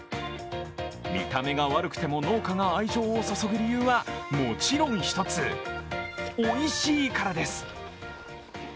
見た目が悪くても、農家が愛情を注ぐ理由はもちろん１つ、おいしいからです。